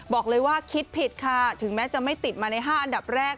บอกเลยว่าคิดผิดค่ะถึงแม้จะไม่ติดมาใน๕อันดับแรก